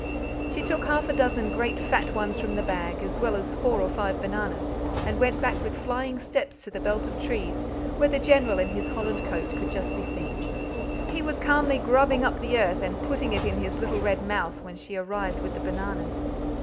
She took half a dozen great fat ones from the bag, as well as four or five bananas, and went back with flying steps to the belt of trees, where the General in his holland coat could just be seen. He was calmly grubbing up the earth and putting it in his little red mouth when she arrived with the bananas.